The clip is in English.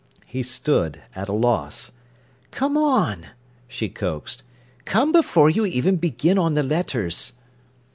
He stood, at a loss. "Come on," she coaxed. "Come before you begin on the letters."